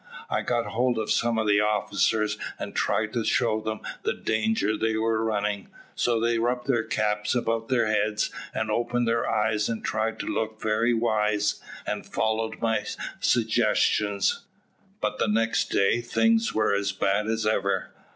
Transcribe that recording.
I got hold of some of the officers, and tried to show them the danger they were running; so they rubbed their caps about their heads and opened their eyes and tried to look very wise, and followed my suggestions. But the next day things were as bad as ever.